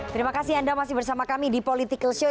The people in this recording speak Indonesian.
terima kasih anda masih bersama kami di political show